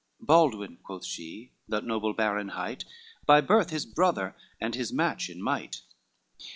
"Baldwin," quoth she, "that noble baron hight, By birth his brother, and his match in might.